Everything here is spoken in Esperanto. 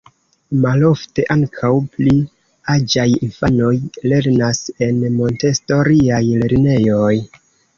Malofte ankaŭ pli aĝaj infanoj lernas en Montesoriaj lernejoj.